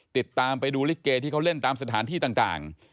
ติดตามไปดูลิเกที่เขาเล่นตามสถานที่ต่าง